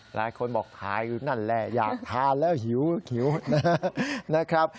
หลายคนบอกถ่ายอยู่นั่นแหละอยากทานแล้วหิวนะครับ